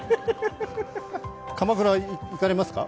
鎌倉、行かれますか？